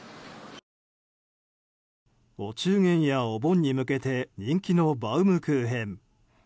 お中元やお盆に向けて人気のバウムクーヘン。